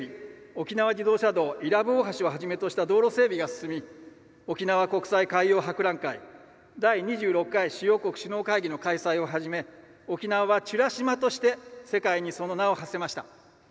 沖縄自動車道伊良部大橋をはじめとした道路整備が進み「沖縄国際海洋博覧会」「第２６回主要国首脳会議」の開催をはじめ沖縄は「美ら島」として世界にその名を馳せました。